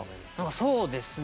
そうですね